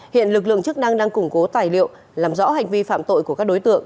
hiện lực lượng chức năng đang củng cố tài liệu làm rõ hành vi phạm tội của các đối tượng